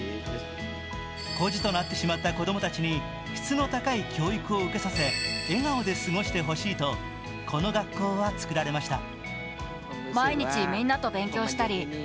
孤児となってしまった子供たちに質の高い教育を受けさせ笑顔で過ごしてほしいとこの学校はつくられました。